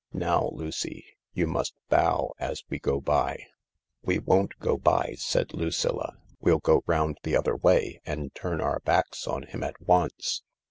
Now, Lucy, you must bow as we go by." "We won't go by," said Lucilla ; "we'll go round the other way, and turn our backs on him at once."